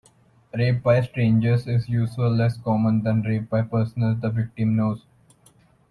Rape by strangers is usually less common than rape by persons the victim knows.